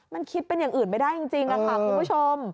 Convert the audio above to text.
มันคิดเป็นอย่างอื่นไม่ได้จริงค่ะคุณผู้ชม